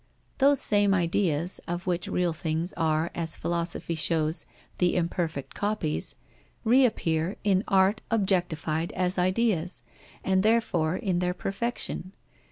Those same ideas, of which real things are, as philosophy shows, the imperfect copies, reappear in art objectified as ideas, and therefore in their perfection.